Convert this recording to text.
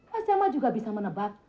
mas jamal juga bisa menebak